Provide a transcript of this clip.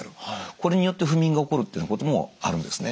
これによって不眠が起こるっていうこともあるんですね。